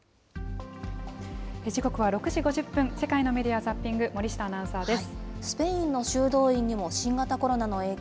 時刻は６時５０分、世界のメディア・ザッピング、森下アナウンサーです。